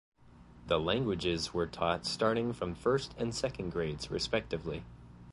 The languages were taught starting from first and second grades respectively.